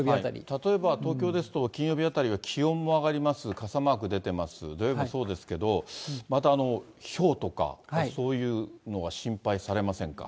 例えば東京ですと、金曜日あたりは気温も上がります、傘マーク出てます、土曜日もそうですけど、またひょうとか、そういうのは心配されませんか？